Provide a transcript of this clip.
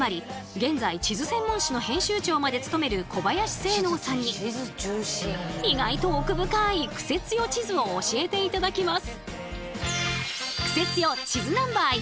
現在地図専門誌の編集長まで務める小林政能さんに意外と奥深いクセ強地図を教えて頂きます。